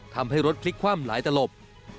ทำให้รถพลิกคว่ำหลายตลบ